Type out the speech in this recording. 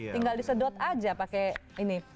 tinggal disedot aja pakai ini